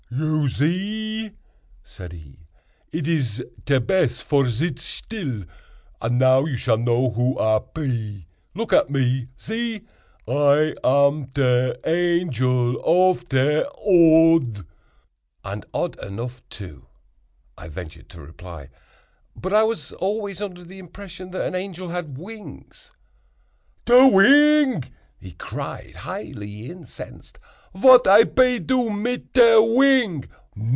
"You zee," said he, "it iz te bess vor zit still; and now you shall know who I pe. Look at me! zee! I am te Angel ov te Odd." "And odd enough, too," I ventured to reply; "but I was always under the impression that an angel had wings." "Te wing!" he cried, highly incensed, "vat I pe do mit te wing?